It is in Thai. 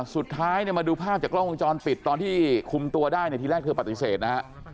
สุดท้ายมาดูภาพจากกล้องวงจรปิดตอนที่คุมตัวได้ทีแรกเธอปฏิเสธนะฮะ